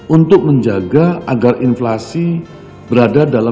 untuk menjaga agar inflasi tetap berada di kisaran empat